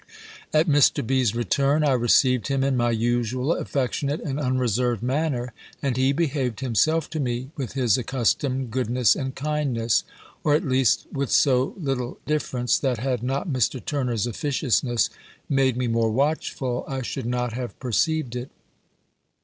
At Mr. B.'s return, I received him in my usual affectionate and unreserved manner: and he behaved himself to me with his accustomed goodness and kindness: or, at least, with so little difference, that had not Mr. Turner's officiousness made me more watchful, I should not have perceived it.